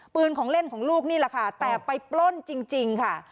ของเล่นของลูกนี่แหละค่ะแต่ไปปล้นจริงค่ะ